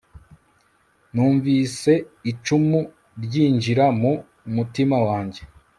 numvise icumu ryinjira mu mutima wanjye